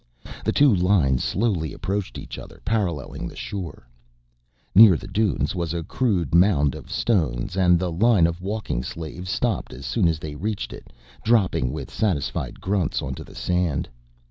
The two lines slowly approached each other, paralleling the shore. Near the dunes was a crude mound of stones and the line of walking slaves stopped as soon as they reached it, dropping with satisfied grunts onto the sand.